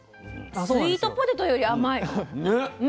スイートポテトより甘い。ね。